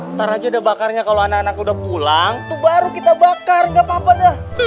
ntar aja udah bakarnya kalau anak anak udah pulang tuh baru kita bakar nggak apa apa dah